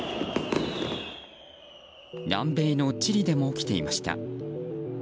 南米のチリでも起きていました。